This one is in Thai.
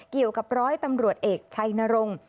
เกี่ยวกับ๑๐๐ตำรวจเอกชายนรง